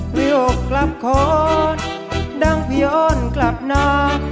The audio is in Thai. วิวกลับคนดังพยนต์กลับหนา